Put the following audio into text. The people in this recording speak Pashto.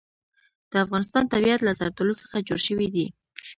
د افغانستان طبیعت له زردالو څخه جوړ شوی دی.